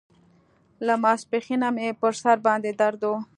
له ماسپښينه مې پر سر باندې درد و.